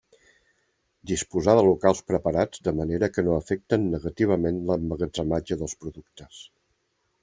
Disposar de locals preparats de manera que no afecten negativament l'emmagatzematge dels productes.